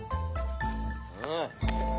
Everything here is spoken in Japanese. うん。